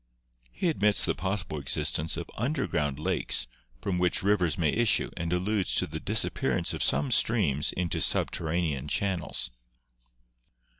He admits the possible existence of underground lakes from which rivers may issue and alludes to the dis appearance of some streams into subterranean channels.